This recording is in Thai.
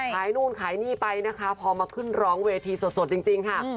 ขายนู่นขายนี่ไปนะคะพอมาขึ้นร้องเวทีสดจริงค่ะ